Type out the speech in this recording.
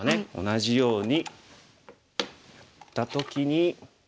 同じようにやった時に。